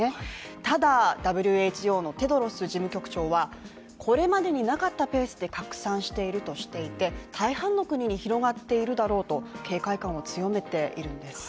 ただ、ＷＨＯのテドロス事務局長は、これまでになかったペースで拡散しているとしていて、大半の国に広がっているだろうと警戒感を強めているんです。